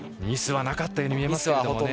ミスはなかったように見えますけどね。